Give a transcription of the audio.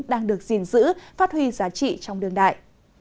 đang được gìn giữ phát huy giá trị trong đương đại